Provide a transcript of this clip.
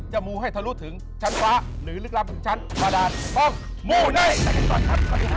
จะหมู่ให้เธอรู้ถึงชั้นฟ้าหรือลึกลับของชั้นประดาษฝ่องหมู่ไนท์